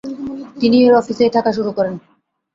তিনি এর অফিসেই থাকা শুরু করেন।